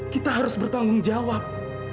kita harus bertanggung jawab